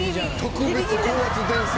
「特別高圧電線」！